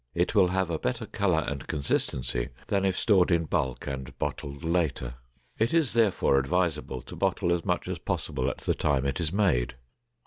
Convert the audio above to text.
It will have a better color and consistency than if stored in bulk and bottled later. It is, therefore, advisable to bottle as much as possible at the time it is made.